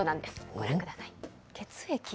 ご覧ください。